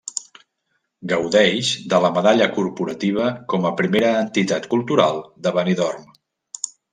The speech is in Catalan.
Gaudeix de la medalla corporativa com a primera entitat cultural de Benidorm.